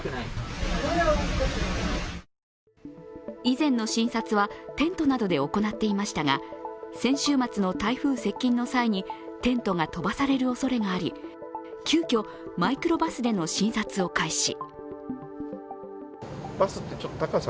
以前の診察はテントなどで行っていましたが先週末の台風接近の際にテントが飛ばされるおそれがあり、急きょ、マイクロバスでの診察を開始。